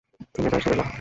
থেমে যায় সুরের লহর।